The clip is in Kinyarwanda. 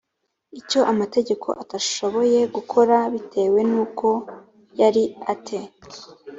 icyo amategeko atashoboye gukora b bitewe n uko yari a te